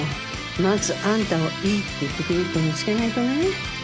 まずあんたをいいって言ってくれる人を見つけないとね。